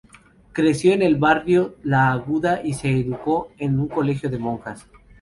Creció en el barrio La Aguada y se educó en un colegio de monjas.